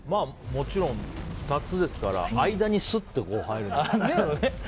もちろん２つですから間にスッと入る。